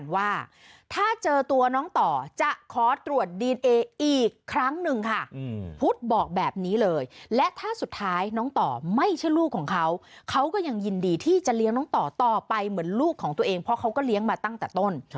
ว่าตรวจดีนเออีกครั้งนึงพุทธบอกแบบนี้เลยและถ้าสุดท้ายน้องต่อไม่ใช่ลูกของเขาเขาก็ยังยินดีที่จะเลี้ยงต่อไปเหมือนลูกของตัวเองเพราะเขาก็เลี้ยงมาตั้งแต่ต้น